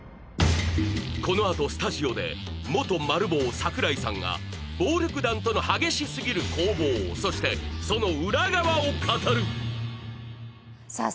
このあとスタジオで元マル暴櫻井さんが暴力団との激しすぎる攻防そしてその裏側を語るさあ